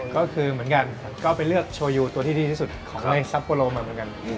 ก็คือเหมือนกันก็ไปเลือกโชยูตัวที่ดีที่สุดของในซัปโปโลมาเหมือนกัน